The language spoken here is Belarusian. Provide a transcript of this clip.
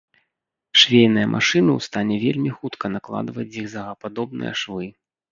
Швейныя машыны ў стане вельмі хутка накладваць зігзагападобныя швы.